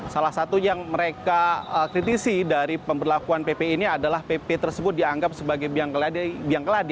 salah satu yang mereka kritisi dari pemberlakuan pp ini adalah pp tersebut dianggap sebagai biang keladi